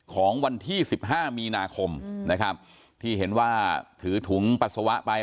ของวันที่๑๕มีนะครับที่เห็นว่าถือถุงปัสสาวะไป